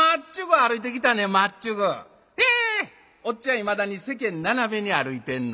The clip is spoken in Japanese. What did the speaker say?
いまだに世間斜めに歩いてんの。